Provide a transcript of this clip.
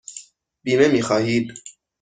بیمه می خواهید؟